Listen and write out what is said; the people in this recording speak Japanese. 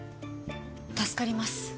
助かります